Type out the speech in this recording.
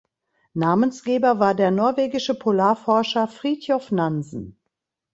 Namensgeber war der norwegischen Polarforscher Fridtjof Nansen.